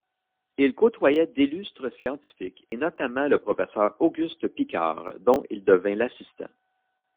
Il côtoyait d'illustres scientifiques et notamment le Professeur Auguste Piccard dont il devint l’assistant.